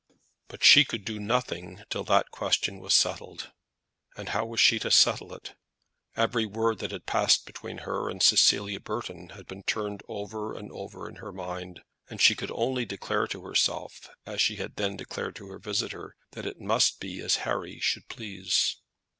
But she could do nothing till that question was settled; and how was she to settle it? Every word that had passed between her and Cecilia Burton had been turned over and over in her mind, and she could only declare to herself as she had then declared to her visitor, that it must be as Harry should please.